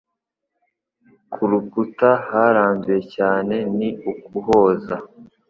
Ku rukuta haranduye cyane ni ukuhoza